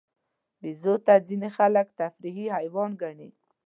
بیزو ته ځینې خلک تفریحي حیوان ګڼي.